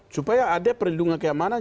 supaya ada perlindungan keamanan